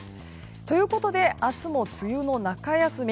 ということで明日も梅雨の中休み。